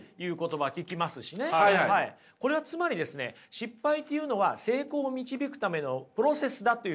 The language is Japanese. これはつまりですね失敗というのは成功を導くためのプロセスだというふうにね